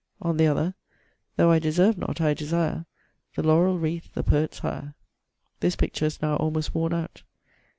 On the other: Though I deserve not, I desire The laurell wreath, the poet's hire. This picture is now almost worne out.